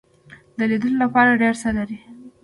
د لیدلو لپاره ډیر څه لري.